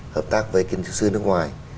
hợp tác với kiến trúc sư nước ngoài